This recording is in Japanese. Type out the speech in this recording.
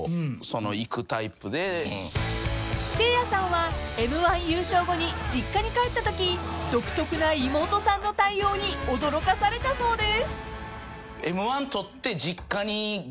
［せいやさんはＭ−１優勝後に実家に帰ったとき独特な妹さんの対応に驚かされたそうです］